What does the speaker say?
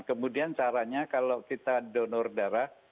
kemudian caranya kalau kita donor darah